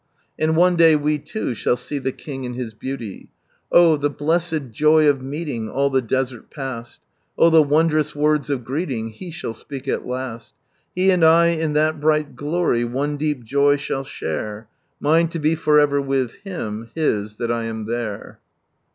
And one day we loo shall see the King in His beauty. "Oh the blessed joy of meeting, all ihe desert pisl ! Oh tlie wondcous words of g[eelin|>, He shall speak a He and I, in that bright glory, one deep joy shall share Mine to be for ever with Him. His, ihat I am there."